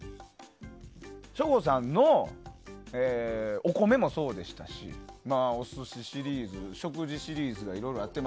省吾さんのお米もそうでしたしお寿司シリーズ、食事シリーズいろいろやって。